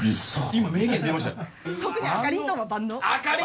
今名言出ました。